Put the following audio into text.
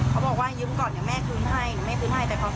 เขาบอกว่ายืมก่อนเนี่ยแม่คืนให้เนี่ยแม่คืนให้